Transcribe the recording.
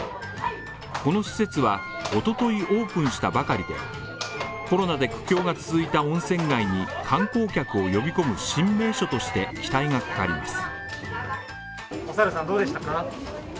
この施設は、おとといオープンしたばかりで、コロナで苦境が続いた温泉街に観光客を呼び込む新名所として期待がかかります。